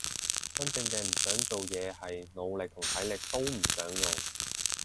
真正嘅唔想做嘢係腦力同體力都唔想用